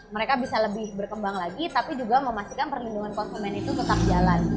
mereka bisa lebih berkembang lagi tapi juga memastikan perlindungan konsumen itu tetap jalan